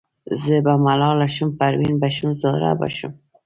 زه به ملاله شم پروین به شم زهره به شمه